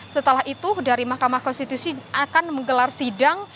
setelah itu dari mahkamah konstitusi akan menggelar sidang